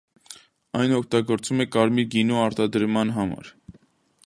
Այն օգտագործվում է կարմիր գինու արտադրման համար։